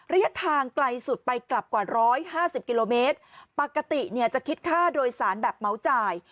ระยะทางไกลสุดไปกลับกว่าร้อยห้าสิบกิโลเมตรปกติเนี่ยจะคิดค่าโดยสารแบบเหมาจ่าย